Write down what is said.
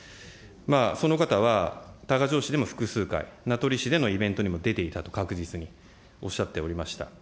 その方は、多賀城市でも複数回、名取市でのイベントにも出ていたと、確実に、おっしゃっておりました。